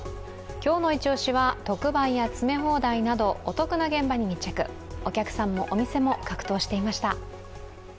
今日のイチオシは、特売や詰め放題などお得な現場に密着、お客さんもお店も格闘していました。